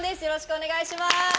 よろしくお願いします。